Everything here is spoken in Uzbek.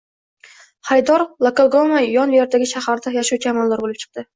Xaridor Iokogama yon-veridagi shaharda yashovchi amaldor bo`lib chiqdi